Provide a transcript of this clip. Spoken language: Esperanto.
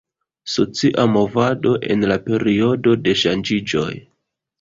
Socia movado en la periodo de ŝanĝiĝoj.